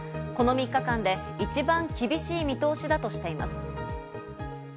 この３日間で一番厳しい見通しだとしています。